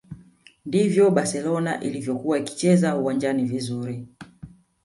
ndivyo barcelona ilivyokuwa ikicheza uwanjani vizuri